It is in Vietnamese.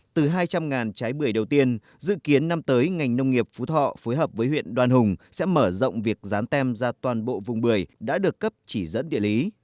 từ hai trăm linh trái bưởi đầu tiên dự kiến năm tới ngành nông nghiệp phú thọ phối hợp với huyện đoàn hùng sẽ mở rộng việc rán tem ra toàn bộ vùng bưởi đã được cấp chỉ dẫn địa lý